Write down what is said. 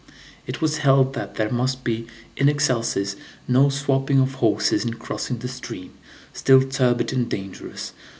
It was held that there must be in excelsis no "swapping of horses in crossing the stream," still turbid and dangerous.